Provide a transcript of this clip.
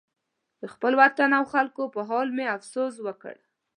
د خپل وطن او خلکو په حال مې افسوس وکړ.